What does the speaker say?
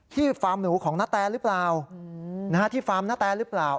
ฟาร์มหนูของนาแตหรือเปล่าที่ฟาร์มณแตหรือเปล่า